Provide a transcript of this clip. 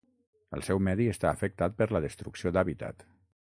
El seu medi està afectat per la destrucció d'hàbitat.